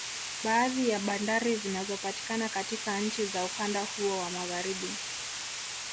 Baadhi ya bandari zinazopatikana katika nchi za ukanda huo wa Magharibi